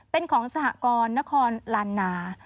เป็นของสหกรนครลานนา